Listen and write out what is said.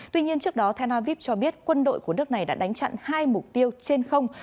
tuy nhiên trước đó tel aviv cho biết quân đội của nước này đã đánh chặn hai mục tiêu trên không